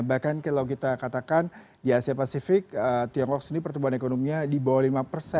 bahkan kalau kita katakan di asia pasifik tiongkok sendiri pertumbuhan ekonominya di bawah lima persen